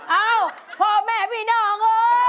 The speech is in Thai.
เอ้าพ่อแม่พี่น้องโอ้